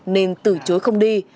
nên từ chối không đi